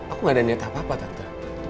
aku gak ada niat apa apa tante